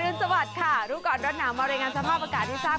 อนุสวัสดิ์ค่ะรูปกรณ์ร้อนหนาวมารัยงานสภาพอากาศที่ทราบ